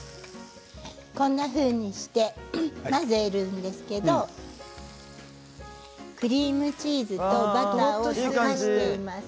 こんなふうにして混ぜるんですけどクリームチーズとバターをのばしています。